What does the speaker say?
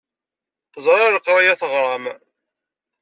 Ẓriɣ leqṛaya teɣṛam.